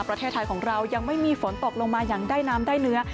ประเทศไทยของเรายังไม่มีฝนตกลงมาอย่างได้น้ำได้เนื้อ